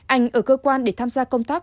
anh ở cơ quan để tham gia công tác